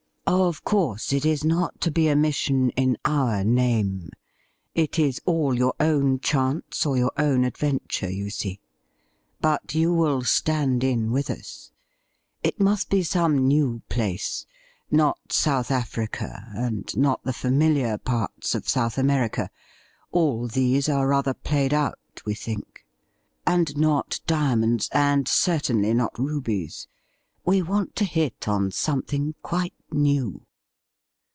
Of course, it is not to be a mission 164 THE RIDDLE RING in our name ; it is all your own chance or your own ad venture, you see. Rut you will stand in with us. It must be some new place. Not South Africa, and not the familiar parts of South America. All these are rather played out, we think. And not diamonds ; and certainly not rubies. We want to hit on something quite new.'